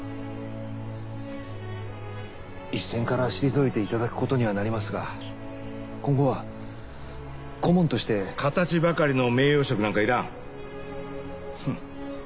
一線から退いていただくことにはなりますが今後は顧問として。形ばかりの名誉職なんかいらん。